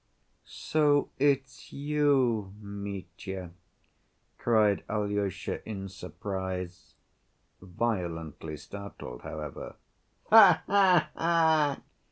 "So it's you, Mitya," cried Alyosha, in surprise, violently startled however. "Ha ha ha!